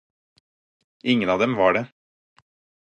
Ingen av dem var det.